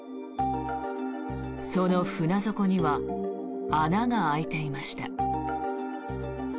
その船底には穴が開いていました。